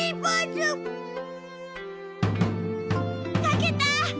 かけた！